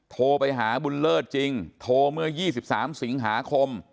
โทรไปหาบุญเลิศจริงโทรเมื่อ๒๓สิงหาคม